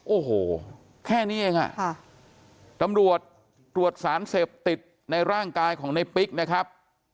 โอ้โหแค่นี้เองตำรวจตรวจสารเสพติดในร่างกายของในปิ๊กนะครับ